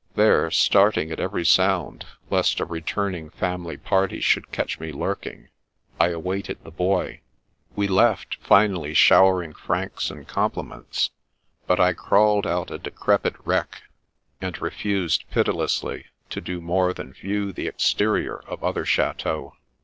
There, starting at every sound, lest a returning family party should catch me " lurking," I awaited the Boy. We left, finally, showering francs and compli ments; but I crawled out a decrepid wreck, and Afternoon Calls ^S7 refused pitilessly to do more than view the exterior of other chateaux.